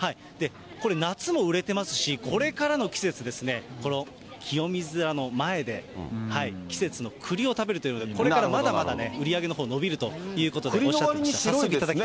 これ、夏も売れてますし、これからの季節ですね、この清水寺の前で、季節のくりを食べるというので、これからまだまだね、売り上げのほう伸びるとおっしゃってました。